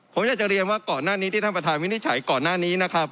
ผมอยากจะเรียนว่าก่อนหน้านี้ที่ท่านประธานวินิจฉัยก่อนหน้านี้นะครับ